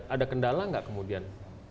ada kendala nggak kemudian